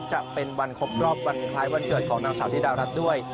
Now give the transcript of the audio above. จะเป็นวันครบรอบวันคล้ายวันเกิดของนางสาวธิดารัฐด้วย